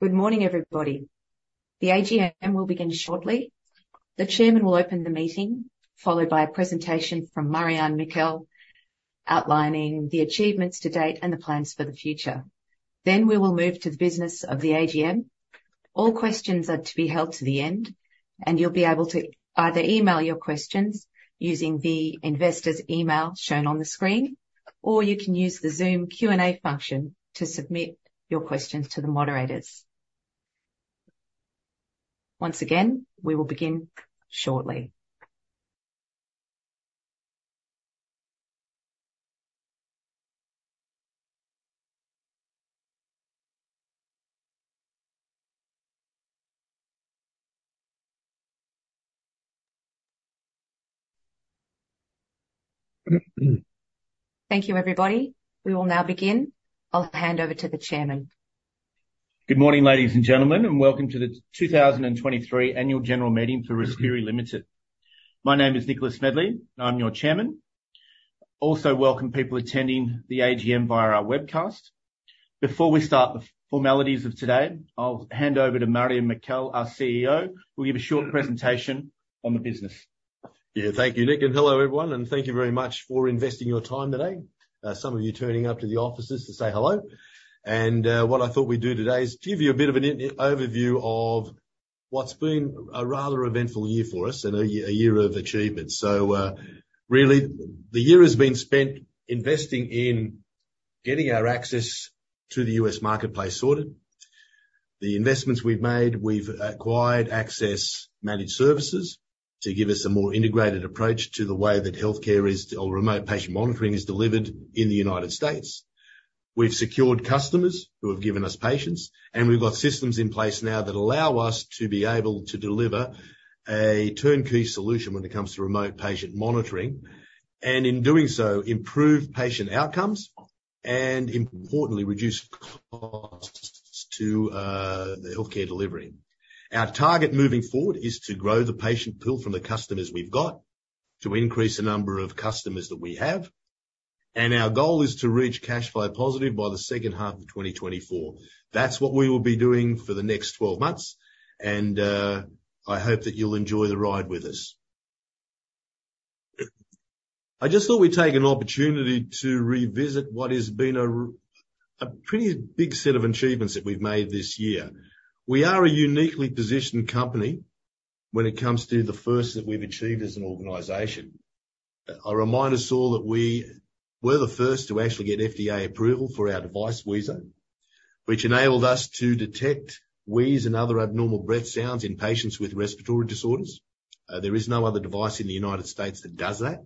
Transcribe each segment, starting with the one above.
Good morning, everybody. The AGM will begin shortly. The chairman will open the meeting, followed by a presentation from Marjan Mikel, outlining the achievements to date and the plans for the future. Then we will move to the business of the AGM. All questions are to be held to the end, and you'll be able to either email your questions using the investors email shown on the screen, or you can use the Zoom Q&A function to submit your questions to the moderators. Once again, we will begin shortly. Thank you, everybody. We will now begin. I'll hand over to the chairman. Good morning, ladies and gentlemen, and welcome to the 2023 annual general meeting for Respiri Limited. My name is Nicholas Smedley, and I'm your chairman. Also welcome people attending the AGM via our webcast. Before we start the formalities of today, I'll hand over to Marjan Mikel, our CEO, who'll give a short presentation on the business. Yeah, thank you, Nick, and hello, everyone, and thank you very much for investing your time today. Some of you turning up to the offices to say hello, and what I thought we'd do today is give you a bit of an overview of what's been a rather eventful year for us and a year, a year of achievement. So, really, the year has been spent investing in getting our access to the U.S. marketplace sorted. The investments we've made, we've acquired Access Managed Services to give us a more integrated approach to the way that healthcare is, or remote patient monitoring is delivered in the United States. We've secured customers who have given us patients, and we've got systems in place now that allow us to be able to deliver a turnkey solution when it comes to remote patient monitoring, and in doing so, improve patient outcomes and importantly, reduce costs to the healthcare delivery. Our target moving forward is to grow the patient pool from the customers we've got, to increase the number of customers that we have, and our goal is to reach cash flow positive by the second half of 2024. That's what we will be doing for the next 12 months, and I hope that you'll enjoy the ride with us. I just thought we'd take an opportunity to revisit what has been a pretty big set of achievements that we've made this year. We are a uniquely positioned company when it comes to the firsts that we've achieved as an organization. I'll remind us all that we were the first to actually get FDA approval for our device, wheezo, which enabled us to detect wheeze and other abnormal breath sounds in patients with respiratory disorders. There is no other device in the United States that does that.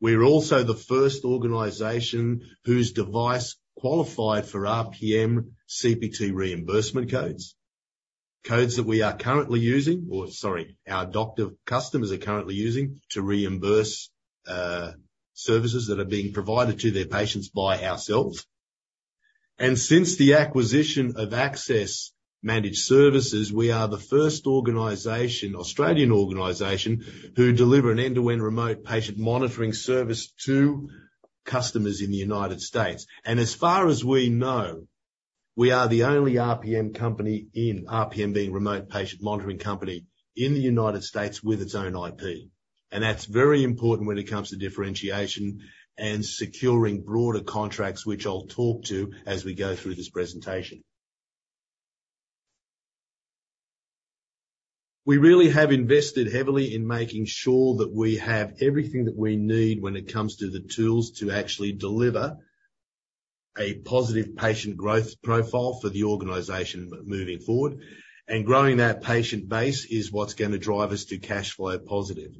We're also the first organization whose device qualified for RPM CPT Codes reimbursement. Codes that we are currently using, or sorry, our doctor customers are currently using to reimburse, services that are being provided to their patients by ourselves. Since the acquisition of Access Managed Services, we are the first organization, Australian organization, who deliver an end-to-end remote patient monitoring service to customers in the United States. As far as we know, we are the only RPM company, RPM being Remote Patient Monitoring company, in the United States with its own IP. That's very important when it comes to differentiation and securing broader contracts, which I'll talk to as we go through this presentation. We really have invested heavily in making sure that we have everything that we need when it comes to the tools to actually deliver a positive patient growth profile for the organization moving forward, and growing that patient base is what's going to drive us to cash flow positive.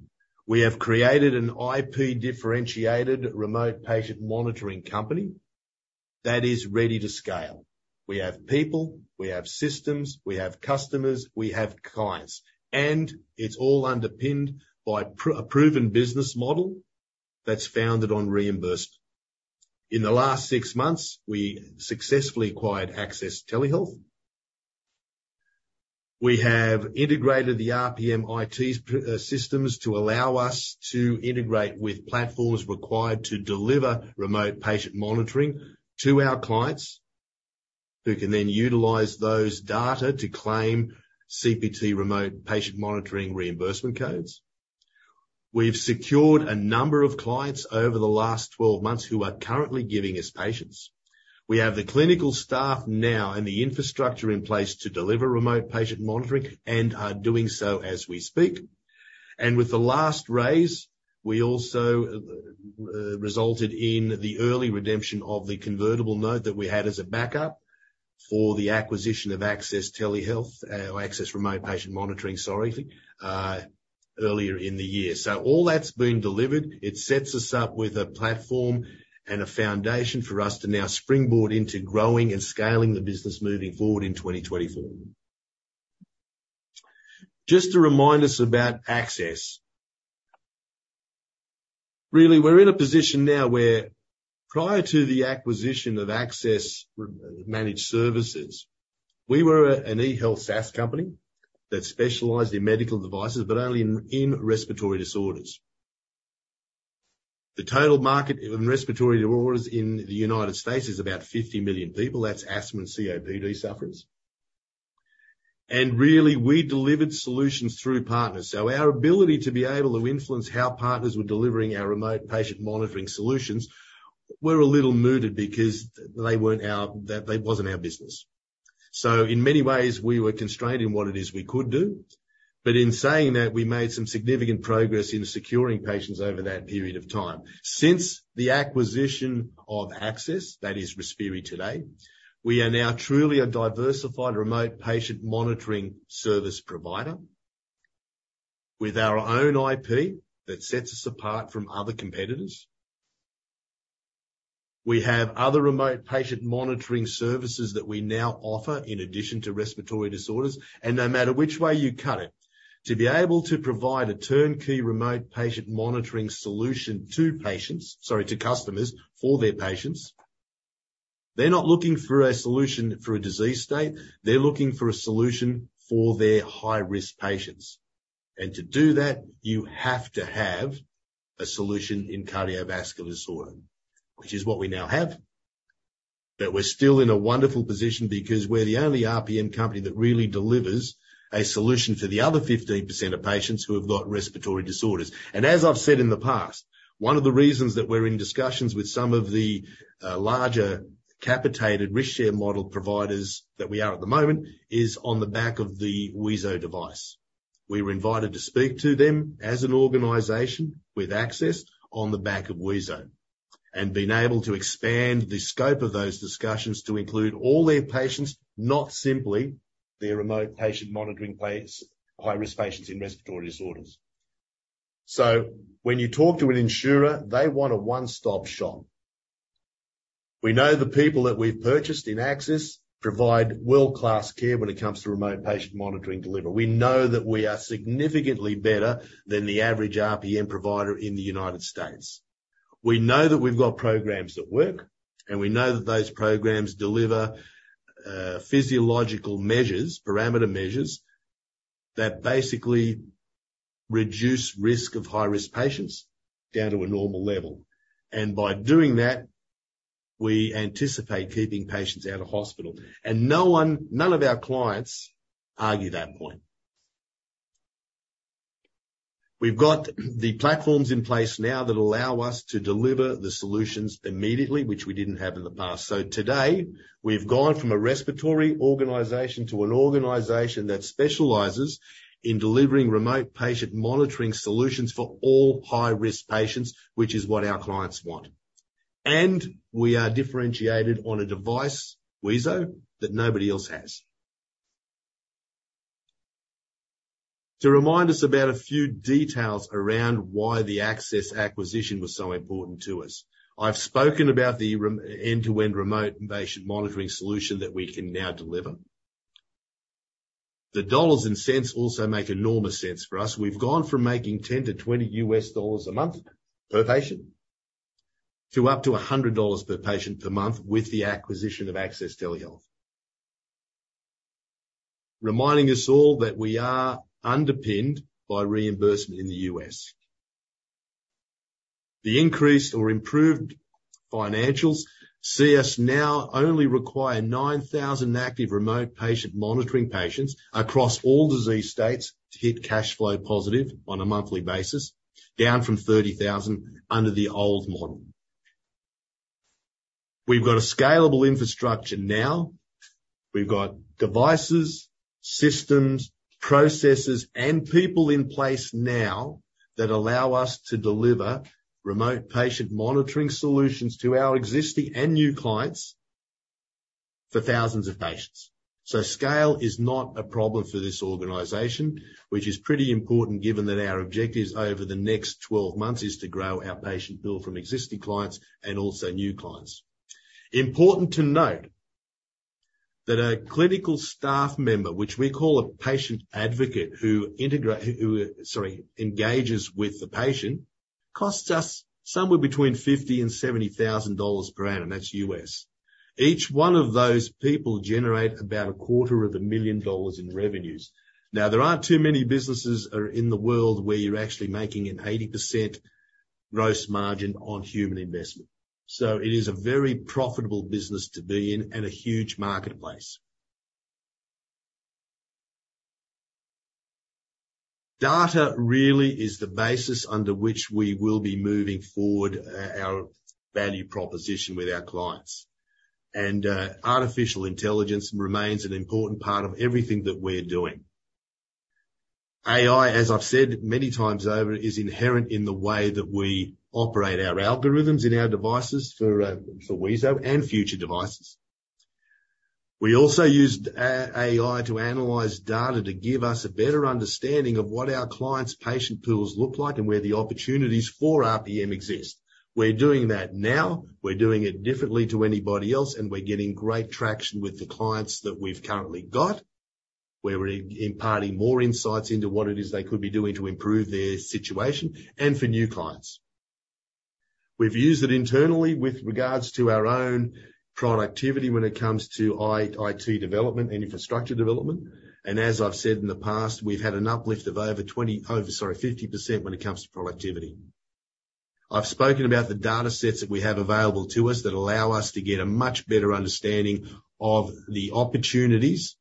We have created an IP differentiated remote patient monitoring company that is ready to scale. We have people, we have systems, we have customers, we have clients, and it's all underpinned by a proven business model that's founded on reimbursement. In the last six months, we successfully acquired Access Telehealth. We have integrated the RPM IT systems to allow us to integrate with platforms required to deliver remote patient monitoring to our clients, who can then utilize those data to claim CPT remote patient monitoring reimbursement codes. We've secured a number of clients over the last 12 months who are currently giving us patients. We have the clinical staff now and the infrastructure in place to deliver remote patient monitoring and are doing so as we speak. And with the last raise, we also resulted in the early redemption of the convertible note that we had as a backup for the acquisition of Access Telehealth or Access Remote Patient Monitoring, sorry, earlier in the year. So all that's been delivered. It sets us up with a platform and a foundation for us to now springboard into growing and scaling the business moving forward in 2024. Just to remind us about Access. Really, we're in a position now where prior to the acquisition of Access Managed Services, we were an e-health SaaS company that specialized in medical devices, but only in, in respiratory disorders. The total market in respiratory disorders in the United States is about 50 million people. That's asthma and COPD sufferers. And really, we delivered solutions through partners, so our ability to be able to influence how partners were delivering our remote patient monitoring solutions were a little muted because they weren't our -- that wasn't our business. So in many ways, we were constrained in what it is we could do. But in saying that, we made some significant progress in securing patients over that period of time. Since the acquisition of Access, that is Respiri today, we are now truly a diversified remote patient monitoring service provider, with our own IP that sets us apart from other competitors. We have other remote patient monitoring services that we now offer in addition to respiratory disorders, and no matter which way you cut it, to be able to provide a turnkey remote patient monitoring solution to patients - sorry, to customers for their patients, they're not looking for a solution for a disease state, they're looking for a solution for their high-risk patients. And to do that, you have to have a solution in cardiovascular disorder, which is what we now have. But we're still in a wonderful position because we're the only RPM company that really delivers a solution for the other 15% of patients who have got respiratory disorders. And as I've said in the past, one of the reasons that we're in discussions with some of the larger capitated risk share model providers that we are at the moment, is on the back of the wheezo device. We were invited to speak to them as an organization with Access on the back of wheezo, and been able to expand the scope of those discussions to include all their patients, not simply their remote patient monitoring place, high-risk patients in respiratory disorders. So when you talk to an insurer, they want a one-stop shop. We know the people that we've purchased in Access provide world-class care when it comes to remote patient monitoring delivery. We know that we are significantly better than the average RPM provider in the United States. We know that we've got programs that work, and we know that those programs deliver, physiological measures, parameter measures, that basically reduce risk of high-risk patients down to a normal level. And by doing that, we anticipate keeping patients out of hospital, and no one, none of our clients argue that point. We've got the platforms in place now that allow us to deliver the solutions immediately, which we didn't have in the past. So today, we've gone from a respiratory organization to an organization that specializes in delivering remote patient monitoring solutions for all high-risk patients, which is what our clients want. And we are differentiated on a device, wheezo, that nobody else has. To remind us about a few details around why the Access acquisition was so important to us, I've spoken about the end-to-end remote patient monitoring solution that we can now deliver. The dollars and cents also make enormous sense for us. We've gone from making $10-$20 a month per patient, to up to $100 per patient per month with the acquisition of Access Telehealth. Reminding us all that we are underpinned by reimbursement in the U.S.. The increased or improved financials see us now only require 9,000 active remote patient monitoring patients across all disease states to hit cash flow positive on a monthly basis, down from 30,000 under the old model. We've got a scalable infrastructure now. We've got devices, systems, processes, and people in place now that allow us to deliver remote patient monitoring solutions to our existing and new clients for thousands of patients. So scale is not a problem for this organization, which is pretty important, given that our objectives over the next 12 months is to grow our patient bill from existing clients and also new clients. Important to note that a clinical staff member, which we call a patient advocate, who engages with the patient, costs us somewhere between $50,000 and $70,000 per annum. That's U.S. Each one of those people generate about $250,000 in revenues. Now, there aren't too many businesses in the world where you're actually making an 80% gross margin on human investment. So it is a very profitable business to be in and a huge marketplace. Data really is the basis under which we will be moving forward, our value proposition with our clients. Artificial intelligence remains an important part of everything that we're doing. AI, as I've said many times over, is inherent in the way that we operate our algorithms in our devices for wheezo and future devices. We also use AI to analyze data to give us a better understanding of what our clients' patient pools look like and where the opportunities for RPM exist. We're doing that now, we're doing it differently to anybody else, and we're getting great traction with the clients that we've currently got. We're imparting more insights into what it is they could be doing to improve their situation and for new clients. We've used it internally with regards to our own productivity when it comes to IT development and infrastructure development, and as I've said in the past, we've had an uplift of over 50% when it comes to productivity. I've spoken about the data sets that we have available to us that allow us to get a much better understanding of the opportunities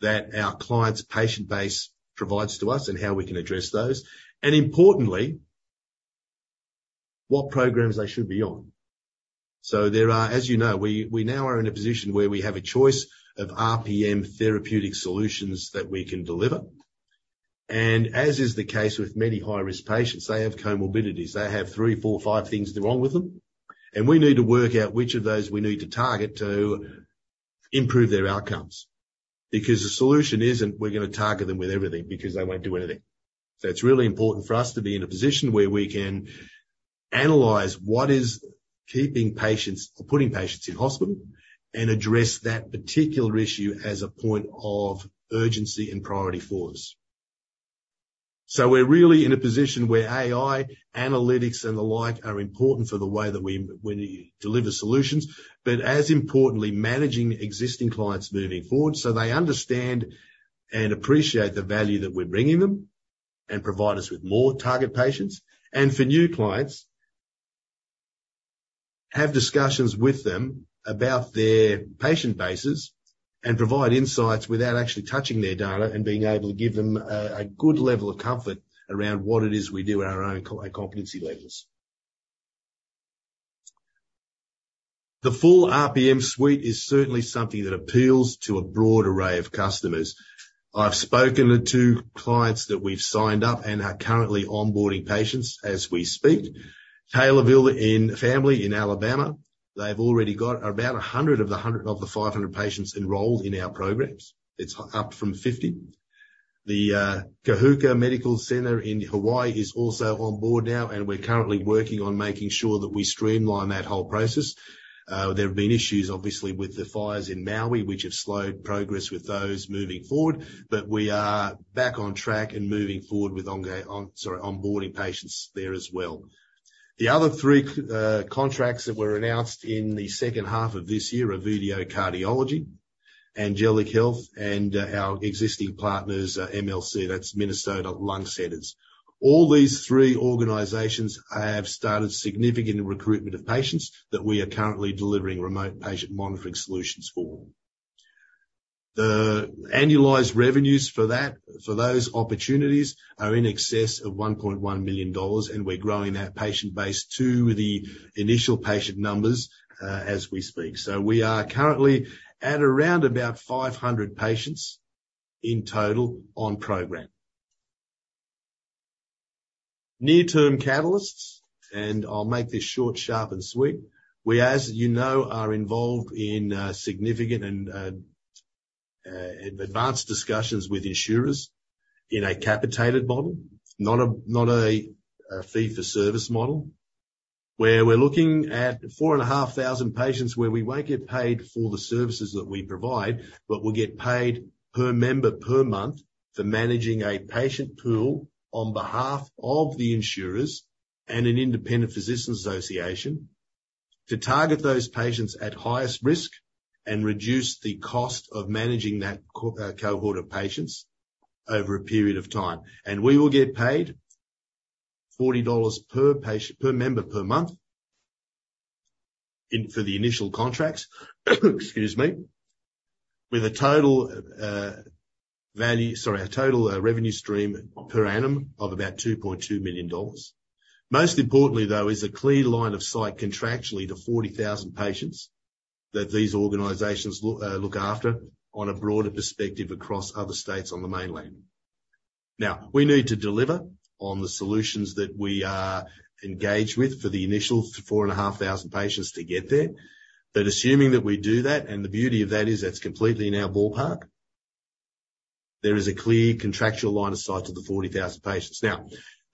that our client's patient base provides to us and how we can address those, and importantly, what programs they should be on. So there are, as you know, we now are in a position where we have a choice of RPM therapeutic solutions that we can deliver, and as is the case with many high-risk patients, they have comorbidities. They have three, four, five things wrong with them, and we need to work out which of those we need to target to improve their outcomes. Because the solution isn't, we're gonna target them with everything, because they won't do anything. So it's really important for us to be in a position where we can analyze what is keeping patients or putting patients in hospital, and address that particular issue as a point of urgency and priority for us. So we're really in a position where AI, analytics, and the like, are important for the way that we, we deliver solutions, but as importantly, managing existing clients moving forward so they understand and appreciate the value that we're bringing them, and provide us with more target patients. For new clients, have discussions with them about their patient bases and provide insights without actually touching their data, and being able to give them a good level of comfort around what it is we do at our own competency levels. The full RPM suite is certainly something that appeals to a broad array of customers. I've spoken to clients that we've signed up and are currently onboarding patients as we speak. Taylorville Family Medicine in Alabama, they've already got about 100 of the 500 patients enrolled in our programs. It's up from 50. The Kahuku Medical Center in Hawaii is also on board now, and we're currently working on making sure that we streamline that whole process. There have been issues, obviously, with the fires in Maui, which have slowed progress with those moving forward, but we are back on track and moving forward with onboarding patients there as well. The other three contracts that were announced in the second half of this year are VDO Cardiology, Angelic Health, and our existing partners, MLC, that's Minnesota Lung Center. All these three organizations have started significant recruitment of patients that we are currently delivering remote patient monitoring solutions for. The annualized revenues for that, for those opportunities, are in excess of $1.1 million, and we're growing that patient base to the initial patient numbers as we speak. So we are currently at around about 500 patients in total on program. Near-term catalysts, and I'll make this short, sharp, and sweet. We, as you know, are involved in significant and advanced discussions with insurers in a capitated model, not a fee-for-service model, where we're looking at 4,500 patients, where we won't get paid for the services that we provide, but we'll get paid per member, per month for managing a patient pool on behalf of the insurers and an independent physician association, to target those patients at highest risk and reduce the cost of managing that cohort of patients over a period of time. And we will get paid $40 per patient, per member, per month in for the initial contracts, excuse me, with a total revenue stream per annum of about $2.2 million. Most importantly, though, is a clear line of sight contractually to 40,000 patients that these organizations look after on a broader perspective across other states on the mainland. Now, we need to deliver on the solutions that we are engaged with for the initial 4,500 patients to get there. But assuming that we do that, and the beauty of that is that's completely in our ballpark, there is a clear contractual line of sight to the 40,000 patients. Now,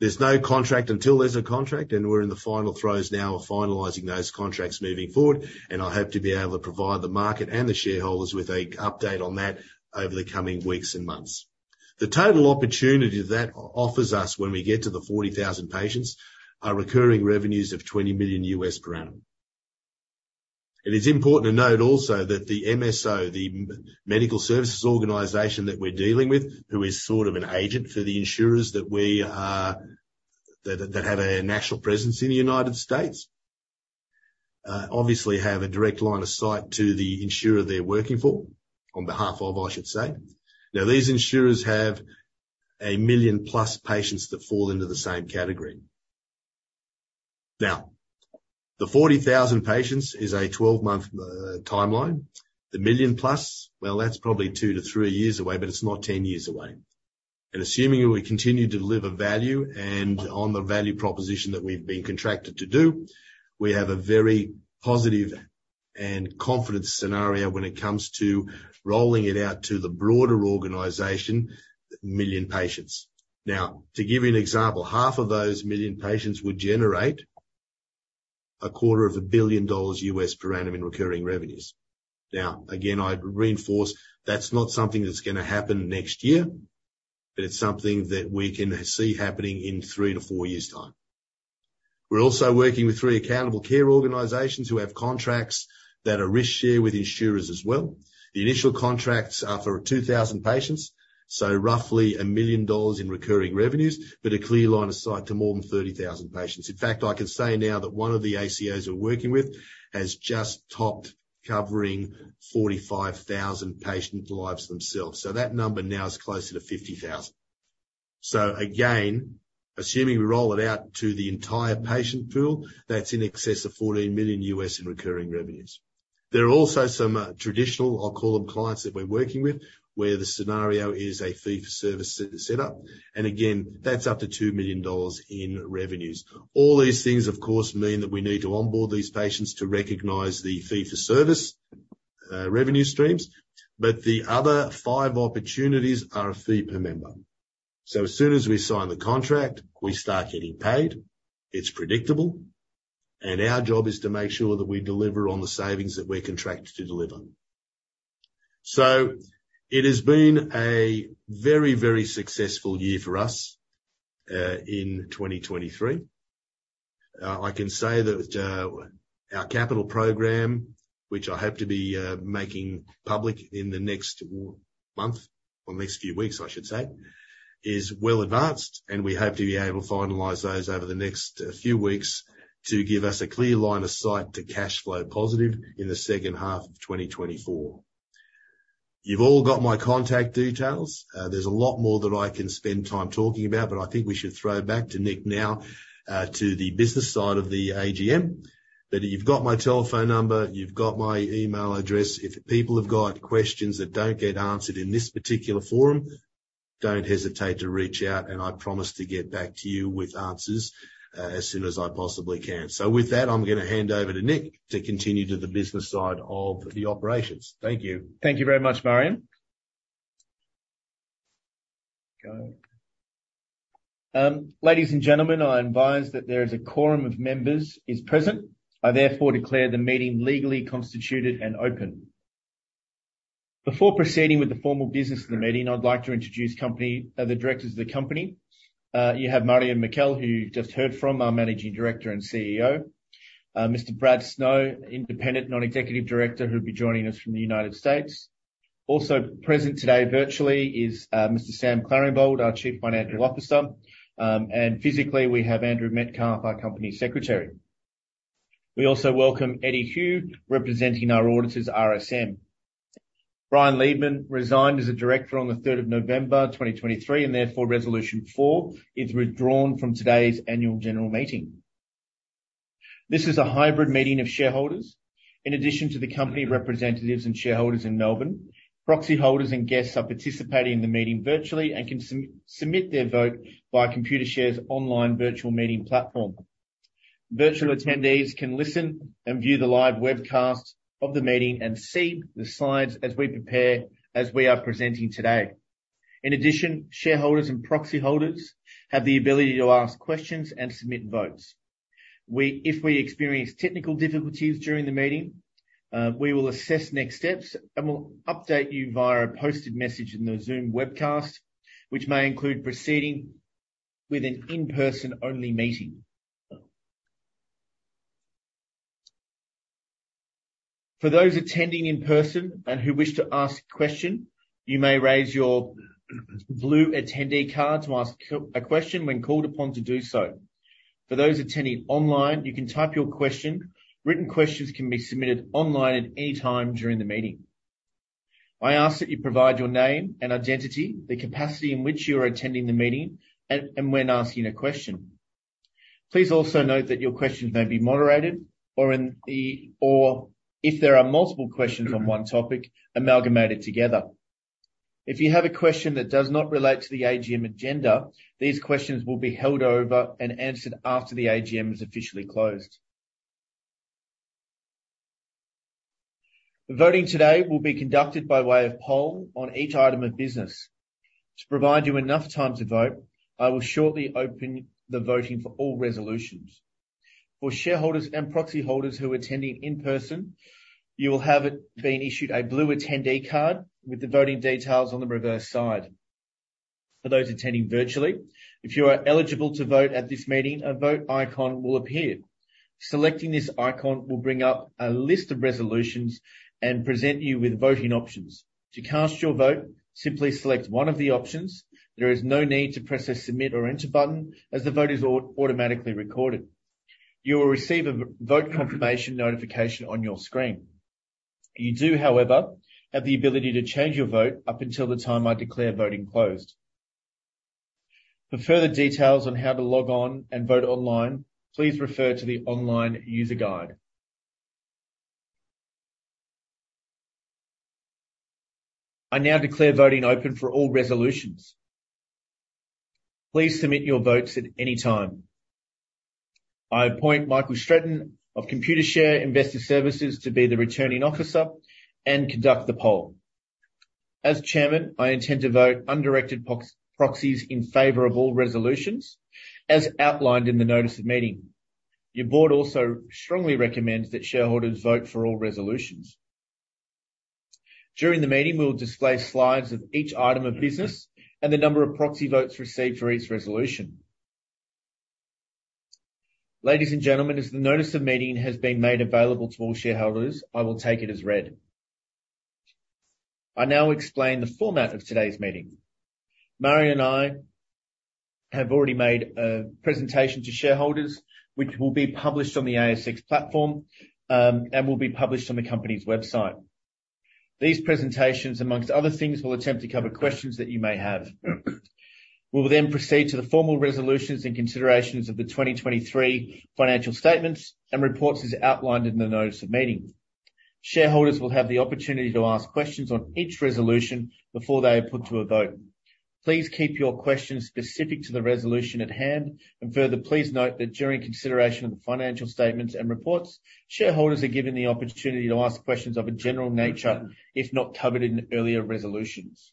there's no contract until there's a contract, and we're in the final throes now of finalizing those contracts moving forward, and I hope to be able to provide the market and the shareholders with an update on that over the coming weeks and months. The total opportunity that offers us when we get to the 40,000 patients are recurring revenues of $20 million per annum. It is important to note also that the MSO, the Medical Services Organization that we're dealing with, who is sort of an agent for the insurers that we are that have a national presence in the United States, obviously have a direct line of sight to the insurer they're working for, on behalf of, I should say. Now, these insurers have a 1 million-plus patients that fall into the same category. Now, the 40,000 patients is a 12-month timeline. The million-plus, well, that's probably two-three years away, but it's not 10 years away. Assuming that we continue to deliver value and on the value proposition that we've been contracted to do, we have a very positive and confident scenario when it comes to rolling it out to the broader organization, 1 million patients. Now, to give you an example, half of those 1 million patients would generate $250 million per annum in recurring revenues. Now, again, I'd reinforce that's not something that's gonna happen next year, but it's something that we can see happening in three-four years' time. We're also working with three Accountable Care Organizations who have contracts that are risk-share with insurers as well. The initial contracts are for 2,000 patients, so roughly $1 million in recurring revenues, but a clear line of sight to more than 30,000 patients. In fact, I can say now that one of the ACOs we're working with has just topped covering 45,000 patient lives themselves, so that number now is closer to 50,000. So again, assuming we roll it out to the entire patient pool, that's in excess of $14 million in recurring revenues. There are also some traditional, I'll call them, clients, that we're working with, where the scenario is a fee-for-service setup, and again, that's up to $2 million in revenues. All these things, of course, mean that we need to onboard these patients to recognize the fee-for-service revenue streams, but the other five opportunities are a fee per member. So as soon as we sign the contract, we start getting paid. It's predictable, and our job is to make sure that we deliver on the savings that we're contracted to deliver. It has been a very, very successful year for us in 2023. I can say that our capital program, which I hope to be making public in the next few weeks, I should say, is well advanced, and we hope to be able to finalize those over the next few weeks to give us a clear line of sight to cash flow positive in the second half of 2024. You've all got my contact details. There's a lot more that I can spend time talking about, but I think we should throw it back to Nick now to the business side of the AGM. But you've got my telephone number, you've got my email address. If people have got questions that don't get answered in this particular forum, don't hesitate to reach out, and I promise to get back to you with answers, as soon as I possibly can. So with that, I'm going to hand over to Nick to continue to the business side of the operations. Thank you. Thank you very much, Marjan. Ladies and gentlemen, I advise that there is a quorum of members is present. I therefore declare the meeting legally constituted and open. Before proceeding with the formal business of the meeting, I'd like to introduce the directors of the company. You have Marjan Mikel, who you've just heard from, our Managing Director and CEO. Mr. Brad Snow, Independent Non-Executive Director, who'll be joining us from the United States. Also present today, virtually, is Mr. Sam Claringbold, our Chief Financial Officer. And physically, we have Andrew Metcalfe, our Company Secretary. We also welcome B.Y. Chan, representing our auditors, RSM. Brian Leedman resigned as a director on the third of November, 2023, and therefore, Resolution four is withdrawn from today's annual general meeting. This is a hybrid meeting of shareholders. In addition to the company representatives and shareholders in Melbourne, proxy holders and guests are participating in the meeting virtually and can submit their vote by Computershare's online virtual meeting platform. Virtual attendees can listen and view the live webcast of the meeting and see the slides as we prepare, as we are presenting today. In addition, shareholders and proxy holders have the ability to ask questions and submit votes. If we experience technical difficulties during the meeting, we will assess next steps, and we'll update you via a posted message in the Zoom webcast, which may include proceeding with an in-person only meeting. For those attending in person and who wish to ask a question, you may raise your blue attendee card to ask a question when called upon to do so. For those attending online, you can type your question. Written questions can be submitted online at any time during the meeting. I ask that you provide your name and identity, the capacity in which you are attending the meeting, and when asking a question. Please also note that your questions may be moderated or, if there are multiple questions on one topic, amalgamated together. If you have a question that does not relate to the AGM agenda, these questions will be held over and answered after the AGM is officially closed. The voting today will be conducted by way of poll on each item of business. To provide you enough time to vote, I will shortly open the voting for all resolutions. For shareholders and proxy holders who are attending in person, you will have been issued a blue attendee card with the voting details on the reverse side. For those attending virtually, if you are eligible to vote at this meeting, a vote icon will appear. Selecting this icon will bring up a list of resolutions and present you with voting options. To cast your vote, simply select one of the options. There is no need to press a Submit or Enter button, as the vote is automatically recorded. You will receive a vote confirmation notification on your screen. You do, however, have the ability to change your vote up until the time I declare voting closed. For further details on how to log on and vote online, please refer to the online user guide. I now declare voting open for all resolutions. Please submit your votes at any time. I appoint Michael Stretton of Computershare Investor Services to be the Returning Officer and conduct the poll. As chairman, I intend to vote undirected proxies in favor of all resolutions, as outlined in the Notice of Meeting. Your board also strongly recommends that shareholders vote for all resolutions. During the meeting, we'll display slides of each item of business and the number of proxy votes received for each resolution. Ladies and gentlemen, as the notice of meeting has been made available to all shareholders, I will take it as read. I now explain the format of today's meeting. Marjan and I have already made a presentation to shareholders, which will be published on the ASX platform, and will be published on the company's website. These presentations, among other things, will attempt to cover questions that you may have. We will then proceed to the formal resolutions and considerations of the 2023 financial statements, and reports as outlined in the notice of meeting. Shareholders will have the opportunity to ask questions on each resolution before they are put to a vote. Please keep your questions specific to the resolution at hand, and further, please note that during consideration of the financial statements and reports, shareholders are given the opportunity to ask questions of a general nature if not covered in earlier resolutions.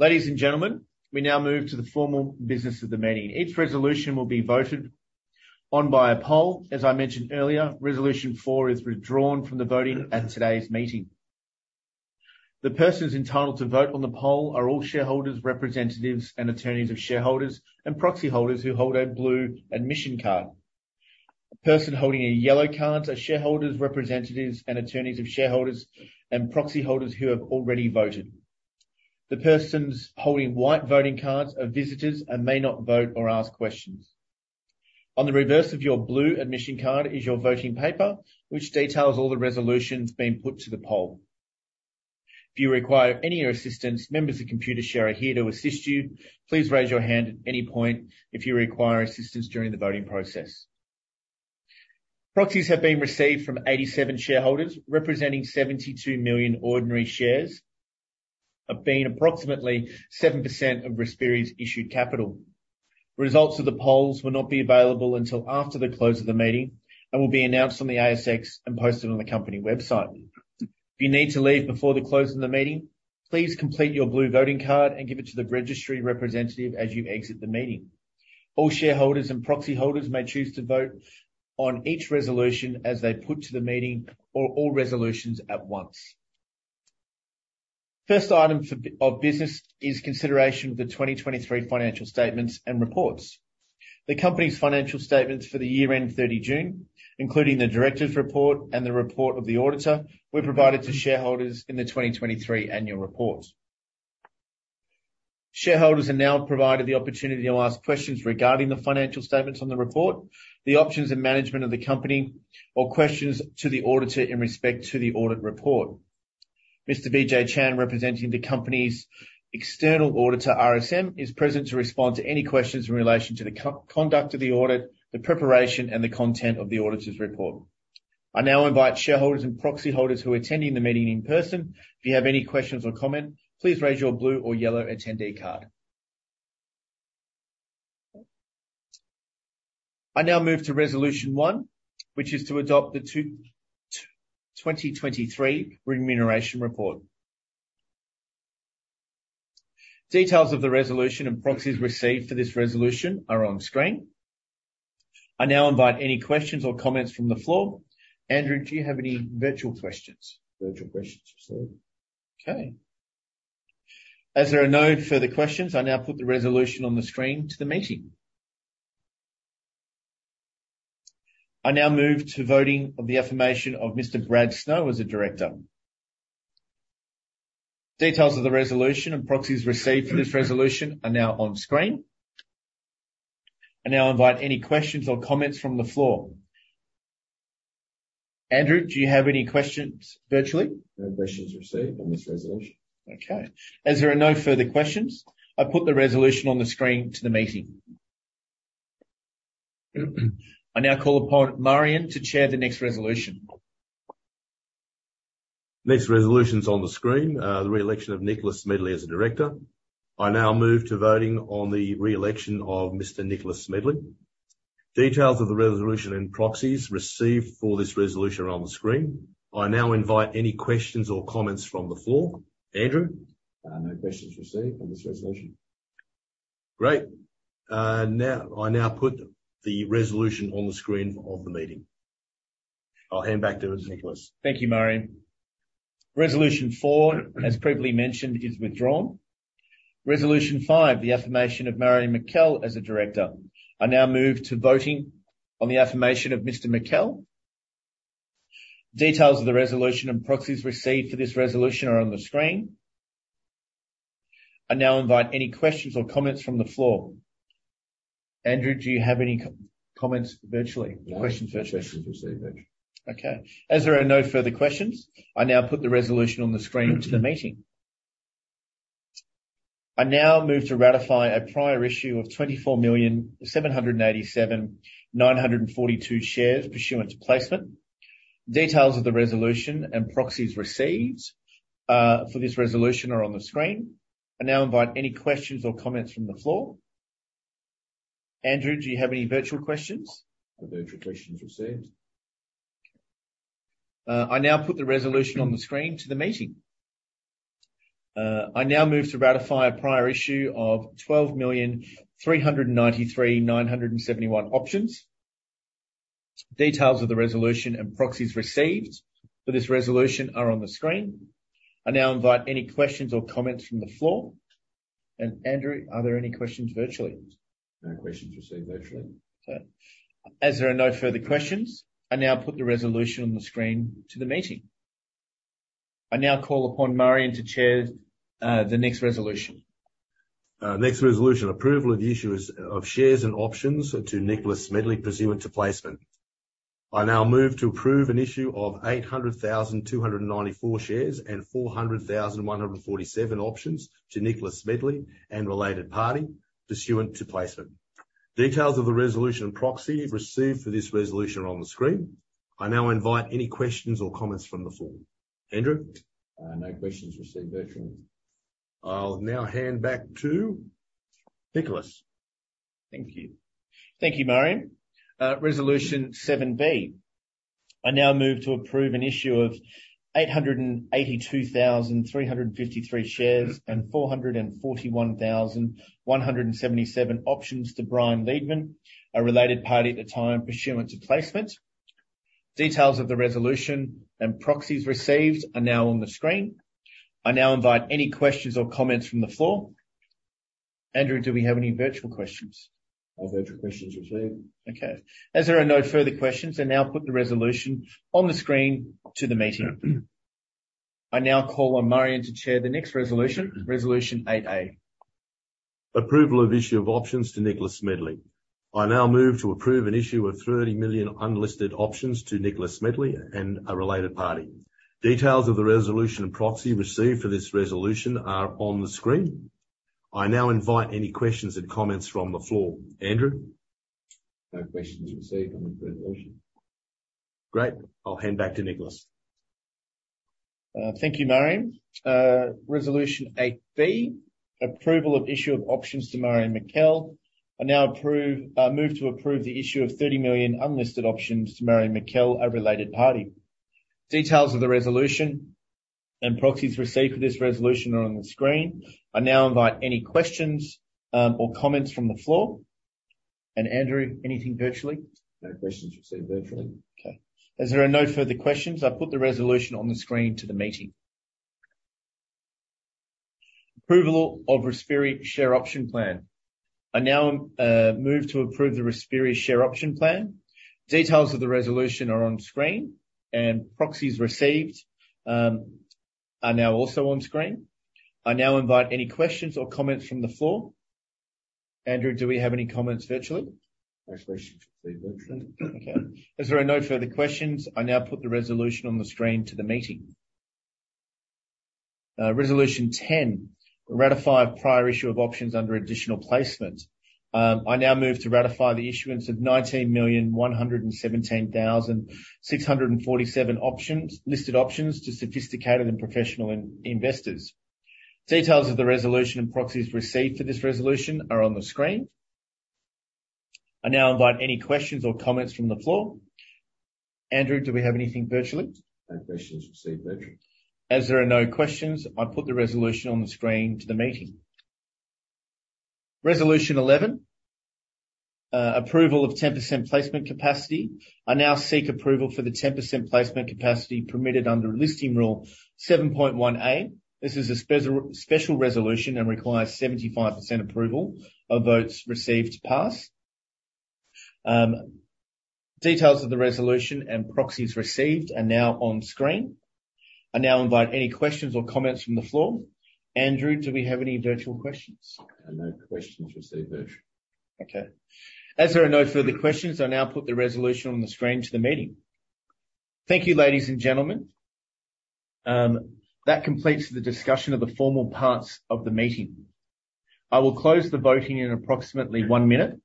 Ladies and gentlemen, we now move to the formal business of the meeting. Each resolution will be voted on by a poll. As I mentioned earlier, resolution four is withdrawn from the voting at today's meeting. The persons entitled to vote on the poll are all shareholders, representatives, and attorneys of shareholders, and proxy holders who hold a blue admission card. A person holding a yellow card are shareholders, representatives, and attorneys of shareholders, and proxy holders who have already voted. The persons holding white voting cards are visitors and may not vote or ask questions. On the reverse of your blue admission card is your voting paper, which details all the resolutions being put to the poll. If you require any assistance, members of Computershare are here to assist you. Please raise your hand at any point if you require assistance during the voting process. Proxies have been received from 87 shareholders, representing 72 million ordinary shares, of being approximately 7% of Respiri's issued capital. Results of the polls will not be available until after the close of the meeting, and will be announced on the ASX and posted on the company website. If you need to leave before the close of the meeting, please complete your blue voting card and give it to the registry representative as you exit the meeting. All shareholders and proxy holders may choose to vote on each resolution as they put to the meeting or all resolutions at once. First item of business is consideration of the 2023 financial statements and reports. The company's financial statements for the year ended 30 June, including the director's report and the report of the auditor, were provided to shareholders in the 2023 annual report. Shareholders are now provided the opportunity to ask questions regarding the financial statements and the report, the operations and management of the company, or questions to the auditor in respect to the audit report. Mr. B.Y. Chan, representing the company's external auditor, RSM, is present to respond to any questions in relation to the conduct of the audit, the preparation, and the content of the auditor's report. I now invite shareholders and proxy holders who are attending the meeting in person. If you have any questions or comments, please raise your blue or yellow attendee card. I now move to resolution one, which is to adopt the 2023 remuneration report. Details of the resolution and proxies received for this resolution are on screen. I now invite any questions or comments from the floor. Andrew, do you have any virtual questions? Virtual questions received. Okay. As there are no further questions, I now put the resolution on the screen to the meeting. I now move to voting of the affirmation of Mr. Brad Snow as a director. Details of the resolution and proxies received for this resolution are now on screen. I now invite any questions or comments from the floor. Andrew, do you have any questions virtually? No questions received on this resolution. Okay. As there are no further questions, I put the resolution on the screen to the meeting. I now call upon Marjan to chair the next resolution. Next resolution's on the screen, the re-election of Nicholas Smedley as a director. I now move to voting on the re-election of Mr. Nicholas Smedley. Details of the resolution and proxies received for this resolution are on the screen. I now invite any questions or comments from the floor. Andrew? No questions received on this resolution. Great. Now, I now put the resolution on the screen of the meeting. I'll hand back to Nicholas. Thank you, Marjan. Resolution four, as previously mentioned, is withdrawn. Resolution five, the affirmation of Marjan Mikel as a director. I now move to voting on the affirmation of Mr. Mikel. Details of the resolution and proxies received for this resolution are on the screen. I now invite any questions or comments from the floor. Andrew, do you have any comments virtually? Questions virtually. Questions received virtually. Okay. As there are no further questions, I now put the resolution on the screen to the meeting. I now move to ratify a prior issue of 24,787,942 shares, pursuant to placement. Details of the resolution and proxies received for this resolution are on the screen. I now invite any questions or comments from the floor. Andrew, do you have any virtual questions? No virtual questions received. I now put the resolution on the screen to the meeting. I now move to ratify a prior issue of 12,393,971 options. Details of the resolution and proxies received for this resolution are on the screen. I now invite any questions or comments from the floor. And Andrew, are there any questions virtually? No questions received virtually. Okay. As there are no further questions, I now put the resolution on the screen to the meeting. I now call upon Marjan to chair the next resolution. Next resolution: approval of the issue of shares and options to Nicholas Smedley, pursuant to placement. I now move to approve an issue of 800,294 shares and 400,147 options to Nicholas Smedley and related party, pursuant to placement. Details of the resolution and proxy received for this resolution are on the screen. I now invite any questions or comments from the floor. Andrew? No questions received virtually. I'll now hand back to Nicholas. Thank you. Thank you, Marjan. Resolution 7-B. I now move to approve an issue of 882,353 shares, and 441,177 options to Brian Leedman, a related party at the time, pursuant to placement. Details of the resolution and proxies received are now on the screen. I now invite any questions or comments from the floor. Andrew, do we have any virtual questions? No virtual questions received. Okay. As there are no further questions, I now put the resolution on the screen to the meeting. I now call on Marjan to chair the next resolution, resolution 8-A. Approval of issue of options to Nicholas Smedley. I now move to approve an issue of 30 million unlisted options to Nicholas Smedley and a related party. Details of the resolution and proxy received for this resolution are on the screen. I now invite any questions and comments from the floor. Andrew? No questions received on the resolution. Great. I'll hand back to Nicholas. Thank you, Marjan. Resolution 8-B, approval of issue of options to Marjan Mikel. I now approve, move to approve the issue of 30 million unlisted options to Marjan Mikel, a related party. Details of the resolution and proxies received for this resolution are on the screen. I now invite any questions or comments from the floor. And Andrew, anything virtually? No questions received virtually. Okay. As there are no further questions, I put the resolution on the screen to the meeting. Approval of Respiri share option plan. I now move to approve the Respiri share option plan. Details of the resolution are on screen, and proxies received are now also on screen. I now invite any questions or comments from the floor. Andrew, do we have any comments virtually? No questions received virtually. Okay. As there are no further questions, I now put the resolution on the screen to the meeting. Resolution 10, ratify prior issue of options under additional placement. I now move to ratify the issuance of 19,117,647 options, listed options to sophisticated and professional investors. Details of the resolution and proxies received for this resolution are on the screen. I now invite any questions or comments from the floor. Andrew, do we have anything virtually? No questions received virtually. As there are no questions, I put the resolution on the screen to the meeting. Resolution 11, approval of 10% placement capacity. I now seek approval for the 10% placement capacity permitted under Listing Rule 7.1A. This is a special resolution and requires 75% approval of votes received to pass. Details of the resolution and proxies received are now on screen. I now invite any questions or comments from the floor. Andrew, do we have any virtual questions? No questions received virtually. Okay. As there are no further questions, I now put the resolution on the screen to the meeting. Thank you, ladies and gentlemen. That completes the discussion of the formal parts of the meeting. I will close the voting in approximately one minute.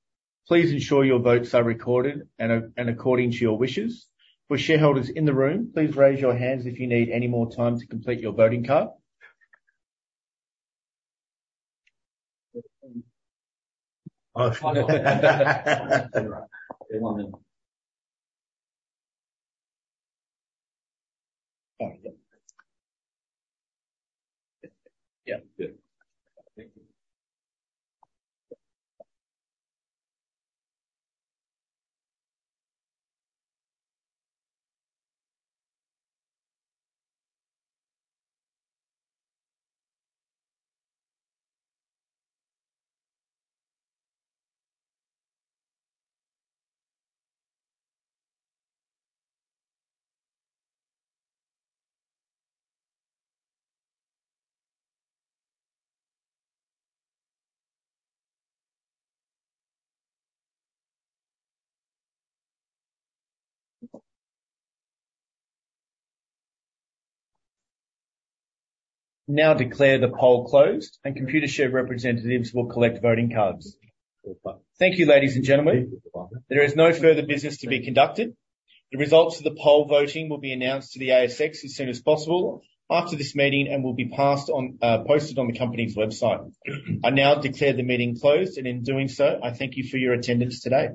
Please ensure your votes are recorded and according to your wishes. For shareholders in the room, please raise your hands if you need any more time to complete your voting card. Yeah, good. Thank you. I now declare the poll closed, and Computershare representatives will collect voting cards. Thank you, ladies and gentlemen. There is no further business to be conducted. The results of the poll voting will be announced to the ASX as soon as possible after this meeting, and will be passed on, posted on the company's website. I now declare the meeting closed, and in doing so, I thank you for your attendance today.